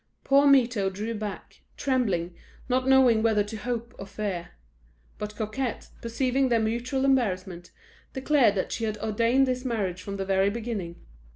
Poor Mirto drew back, trembling, not knowing whether to hope or fear; but Coquette, perceiving their mutual embarrassment, declared that she had ordained this marriage from the very beginning.